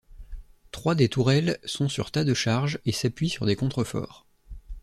Trois des tourelles sont sur tas de charge et s'appuient sur des contreforts.